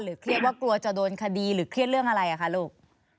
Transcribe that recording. เครียดว่ากลัวจะโดนคดีหรือเครียดเรื่องอะไรคะลูก